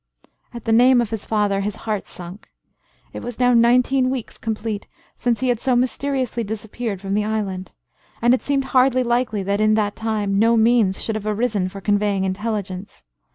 At the name of his father, his heart sunk; it was now nineteen weeks complete since he had so mysteriously disappeared from the island; and it seemed hardly likely, that in that time no means should have arisen for conveying intelligence.